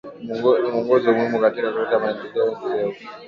Ni mwongozo muhimu katika kuleta maendeleo endelevu